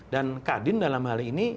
dan kak din dalam hal ini